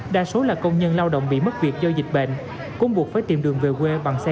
đa số là công nhân lao động bị mất việc do dịch bệnh cũng buộc phải tìm đường về quê bằng xe